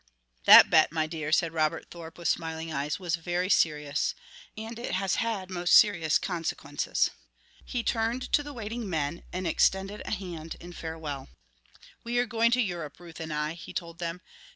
"That bet, my dear," said Robert Thorpe with smiling eyes, "was very serious ... and it has had most serious consequences." He turned to the waiting men and extended a hand in farewell. "We are going to Europe, Ruth and I," he told them.